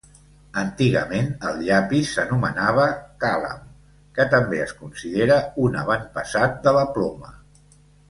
Antigament, el llapis s'anomenava càlam, que també es considera un avantpassat de la ploma.